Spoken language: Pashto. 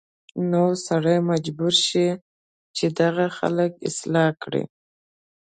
نو سړی مجبور شي چې دغه خلک اصلاح کړي